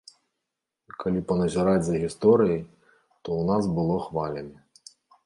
Калі паназіраць за гісторыяй, то ў нас было хвалямі.